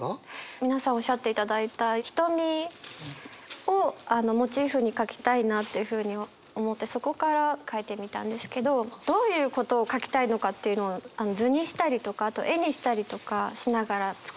皆さんおっしゃっていただいた「瞳」をモチーフに書きたいなっていうふうに思ってそこから書いてみたんですけどどういうことを書きたいのかっていうのを図にしたりとかあと絵にしたりとかしながら作って。